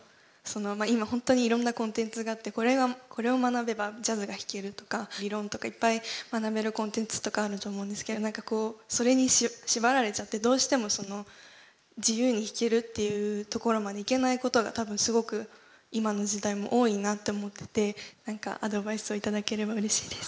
今本当にいろんなコンテンツがあってこれを学べばジャズが弾けるとか理論とかいっぱい学べるコンテンツとかあると思うんですけど何かこうそれに縛られちゃってどうしてもその自由に弾けるっていうところまでいけないことが多分すごく今の時代も多いなって思っててなんかアドバイスを頂ければうれしいです。